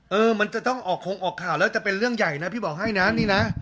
เออมันจะต้องออกคงออกข่าวแล้วจะเป็นเรื่องใหญ่นะพี่บอกให้นะนี่นะ